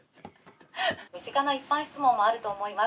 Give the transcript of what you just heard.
「身近な一般質問もあると思います。